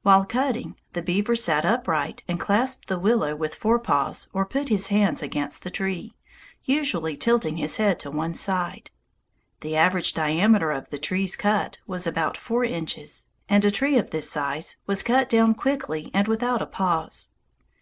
While cutting, the beaver sat upright and clasped the willow with fore paws or put his hands against the tree, usually tilting his head to one side. The average diameter of the trees cut was about four inches, and a tree of this size was cut down quickly and without a pause.